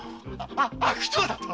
悪党だと！？